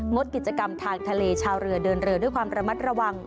ดกิจกรรมทางทะเลชาวเรือเดินเรือด้วยความระมัดระวัง